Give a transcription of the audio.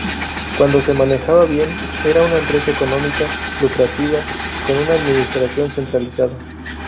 Cuando se manejaba bien, era una empresa económica, lucrativa, con una administración centralizada.